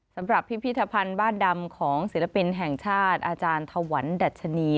พิพิธภัณฑ์บ้านดำของศิลปินแห่งชาติอาจารย์ถวันดัชนี